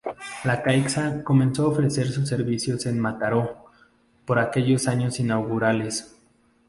La Caixa comenzó a ofrecer sus servicios en Mataró, por aquellos años inaugurales.